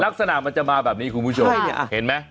ลักษณะมันจะมาแบบนี้คุณผู้ชมเห็นไหม